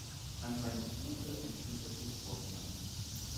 An seinem Fuße entspringt der Fluss Bosna.